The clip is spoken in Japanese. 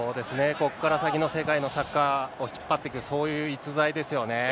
ここから先の世界のサッカーを引っ張っていく、そういう逸材ですよね。